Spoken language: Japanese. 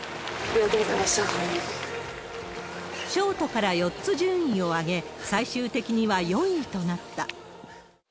ショートから４つ順位を上げ、最終的には４位となった。